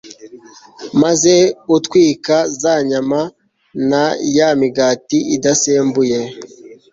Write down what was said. maze utwika za nyama na ya migati idasembuye